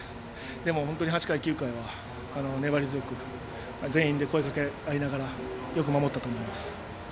でも８回、９回は粘り強く全員で声をかけ合いながらよく守ったと思います。